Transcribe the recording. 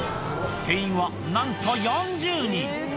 定員はなんと４０人。